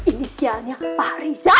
inisialnya pak riza